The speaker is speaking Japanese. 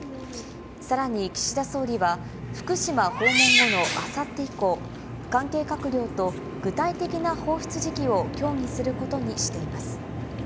さらに岸田総理は、福島訪問後のあさって以降、関係閣僚と具体的な放出時期を協議することにしています。